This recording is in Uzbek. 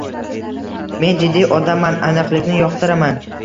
Men jiddiy odamman, aniqlikni yoqtiraman.